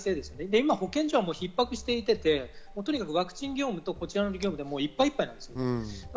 今保健所はひっ迫していて、とにかくワクチン業務でいっぱいいっぱいです。